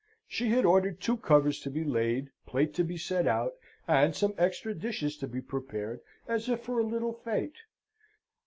She had ordered two covers to be laid, plate to be set out, and some extra dishes to be prepared as if for a little fete.